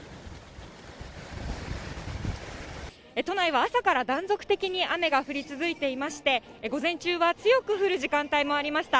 都内は朝から断続的に雨が降り続いていまして、午前中は強く降る時間帯もありました。